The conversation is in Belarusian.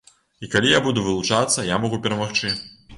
І калі я буду вылучацца, я магу перамагчы.